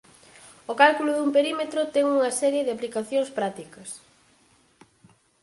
O cálculo dun perímetro ten unha serie de aplicacións prácticas.